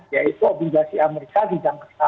yaitu obligasi amerika di jangka